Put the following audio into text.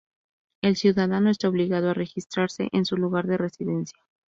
El ciudadano está obligado a registrarse en su lugar de residencia.